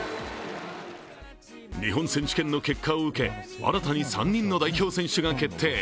日本選手権の結果を受け、新たに３人の代表選手が決定。